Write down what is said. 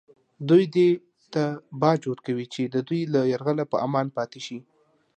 دوی دې ته باج ورکوي چې د دوی له یرغله په امان پاتې شي